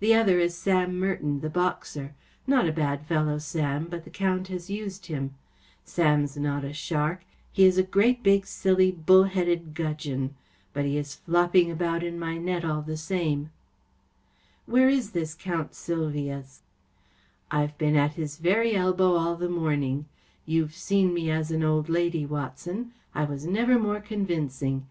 The other is Sam Merton, the boxer. Not a bad fellow, Sam, but the Count has used him. Sam’s not a shark. He is a great big silly bull headed gudgeon. But he is flopping about in my net all the same.‚ÄĚ 44 Where is this Count Sylvius ? ‚ÄĚ 44 I've been at his very elbow all the morning. You've seen me as an old lady, UNIVERSITY 0 IICHIGAN * 291 A. Conan Doyle Watson. I was never more convincing.